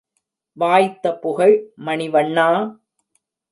வாய்த்த புகழ் மணிவண்ணா!